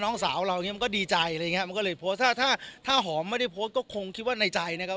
น้องสาวเราอย่างเงี้มันก็ดีใจอะไรอย่างเงี้มันก็เลยโพสต์ถ้าถ้าหอมไม่ได้โพสต์ก็คงคิดว่าในใจนะครับ